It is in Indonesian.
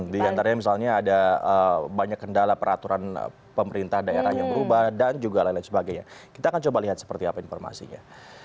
di antaranya misalnya ada banyak kendala peraturan pemerintah daerah yang berubah dan juga lain lain sebagainya kita akan coba lihat seperti apa informasinya